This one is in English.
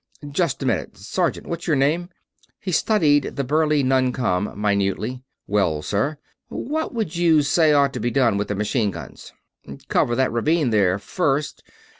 Just a minute. Sergeant, what's your name?" He studied the burly non com minutely. "Wells, sir." "What would you say ought to be done with the machine guns?" "Cover that ravine, there, first.